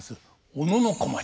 小野小町。